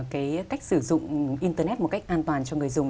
cái cách sử dụng internet một cách an toàn cho người dùng